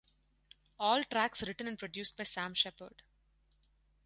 All tracks written and produced by Sam Shepherd.